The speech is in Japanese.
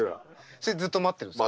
それずっと待ってるんですか？